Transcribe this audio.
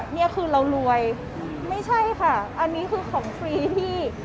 นี่คือเรารวยไม่ใช่ค่ะอันนี้คือของฟรีที่